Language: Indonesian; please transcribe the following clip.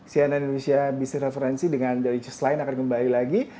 cnn indonesia business referensi dengan dari just line akan kembali lagi